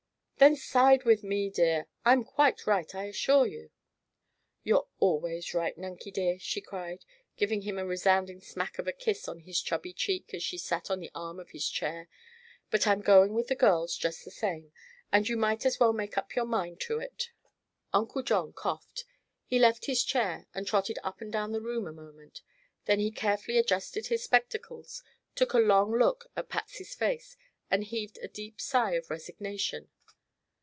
"Then side with me, dear. I'm quite right, I assure you." "You're always right, Nunkie, dear," she cried, giving him a resounding smack of a kiss on his chubby cheek as she sat on the arm of his chair, "but I'm going with the girls, just the same, and you may as well make up your mind to it." Uncle John coughed. He left his chair and trotted up and down the room a moment. Then he carefully adjusted his spectacles, took a long look at Patsy's face, and heaved a deep sigh of resignation.